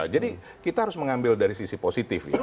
jadi kita harus mengambil dari sisi positif